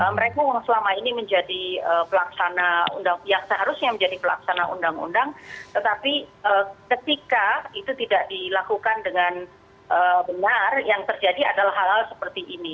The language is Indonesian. mereka yang selama ini menjadi pelaksana yang seharusnya menjadi pelaksana undang undang tetapi ketika itu tidak dilakukan dengan benar yang terjadi adalah hal hal seperti ini